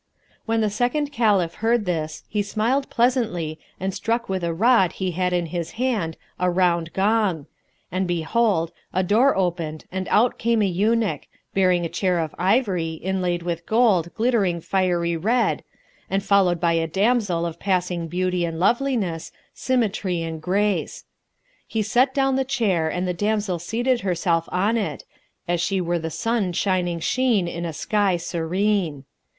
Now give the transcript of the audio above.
'"When the second Caliph heard this, he smiled pleasantly and struck with a rod he had in his hand a round gong;[FN#189] and behold, a door opened and out came a eunuch, bearing a chair of ivory, inlaid with gold glittering fiery red and followed by a damsel of passing beauty and loveliness, symmetry and grace. He set down the chair and the damsel seated herself on it, as she were the sun shining sheen in a sky serene.